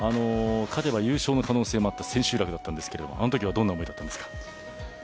勝てば優勝の可能性もあった千秋楽だったんですがあのときはどんな思いだったんですか？